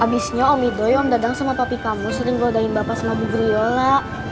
abisnya om idoy om dadang sama papi kamu sering ngelodain bapak sama bu guliola